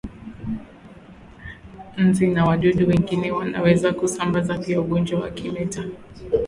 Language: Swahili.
Nzi na wadudu wengine wanaweza kusambaza pia ugonjwa wa kimeta